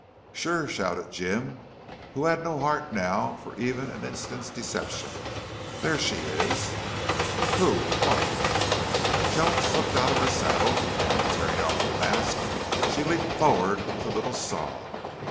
"Sure!" shouted Jim, who had no heart now for even an instant's deception. "There she is!" "Who?... What?" Joan slipped out of her saddle and, tearing off the mask, she leaped forward with a little sob.